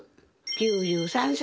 ９３歳！